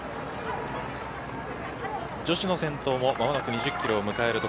女子の先頭も間もなく２０キロを迎えます。